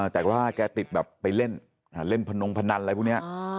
แต่ว่าแกติดแบบไปเล่นเล่นพนงพนันอะไรพวกนี้